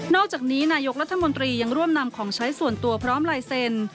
อกจากนี้นายกรัฐมนตรียังร่วมนำของใช้ส่วนตัวพร้อมลายเซ็น